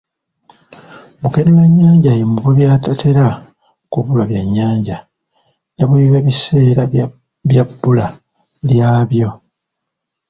Mukenulannyanja ye muvubi atatera kubulwa byannyanja, ne bwe biba biseera bya bbula lyabo.